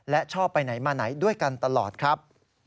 และชอบไปไหนมาไหนด้วยกันตลอดครับ